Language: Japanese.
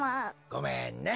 ごめんね。